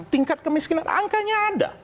tingkat kemiskinan angkanya ada